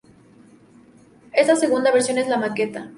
Esta segunda versión es la maqueta.